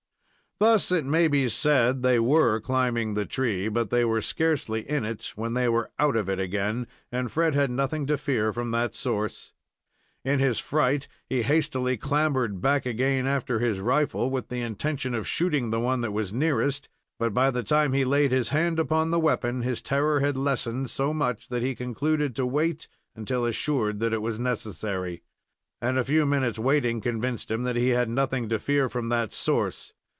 Thus, it may be said, they were climbing the tree, but they were scarcely in it when they were out of it again, and Fred had nothing to fear from that source. In his fright, he hastily clambered back again after his rifle, with the intention of shooting the one that was nearest, but by the time he laid his hand upon the weapon his terror had lessened so much that he concluded to wait until assured that it was necessary. And a few minutes' waiting convinced him that he had nothing to fear from that source.